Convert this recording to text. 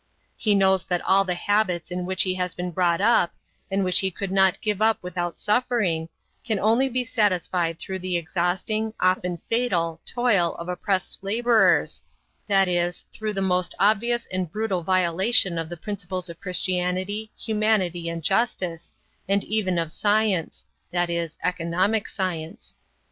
He knows that all the habits in which he has been brought up, and which he could not give up without suffering, can only be satisfied through the exhausting, often fatal, toil of oppressed laborers, that is, through the most obvious and brutal violation of the principles of Christianity, humanity, and justice, and even of science (that is, economic science).